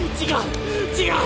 違う！